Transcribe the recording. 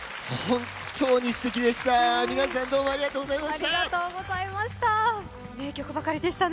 本当にすてきでした。